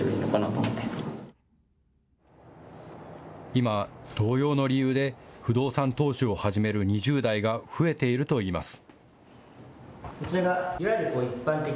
今、同様の理由で不動産投資を始める２０代が増えているといいます。